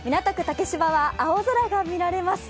竹芝は青空が見られます。